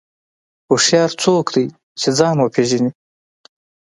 هوښیار څوک دی چې ځان وپېژني.